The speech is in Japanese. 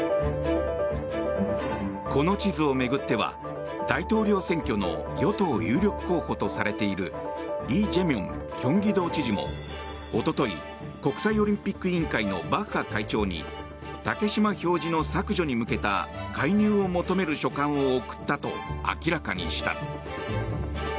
この地図を巡っては大統領選挙の与党有力候補とされているイ・ジェミョン京畿道知事もおととい国際オリンピック委員会のバッハ会長に竹島表示の削除に向けた介入を求める書簡を送ったと明らかにした。